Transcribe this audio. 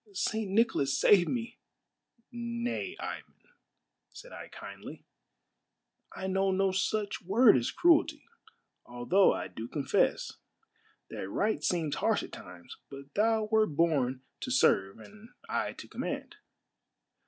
St. Nicholas, save me!" " Nay, Ivan," said I kindly, " I know no such word as cruelty although I do confess that right seems harsh at times, but thou wert born to serve and I to command.